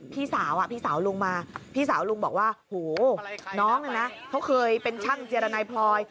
พี่สาวอ่ะพี่สาวลุงมาพี่สาวลุงบอกว่าโหน้องเนี่ยนะเขาเคยเป็นช่างเจรนายพลอย